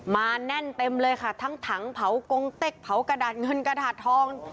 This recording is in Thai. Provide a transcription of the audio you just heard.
แน่นเต็มเลยค่ะทั้งถังเผากงเต็กเผากระดาษเงินกระดาษทอง